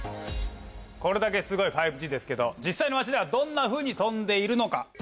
これだけすごい５Ｇですけど実際の街ではどんなふうに飛んでいるのか。